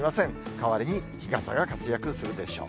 代わりに日傘が活躍するでしょう。